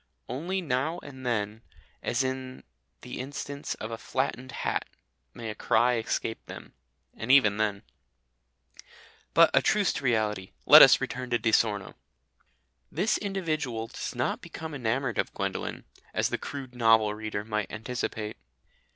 Only now and then as in the instance of a flattened hat may a cry escape them. And even then But a truce to reality! Let us return to Di Sorno. This individual does not become enamoured of Gwendolen, as the crude novel reader might anticipate.